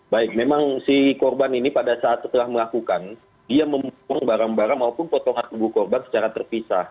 baik memang si korban ini pada saat setelah melakukan dia membuang barang barang maupun potongan tubuh korban secara terpisah